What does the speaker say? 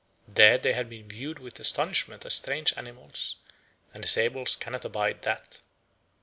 There they had been viewed with astonishment as strange animals, and the sables cannot abide that.